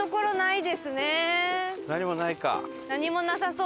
何もないか。